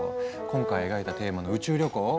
今回描いたテーマの「宇宙旅行」